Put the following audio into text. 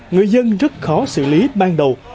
người dân rất khó xử lý ban đầu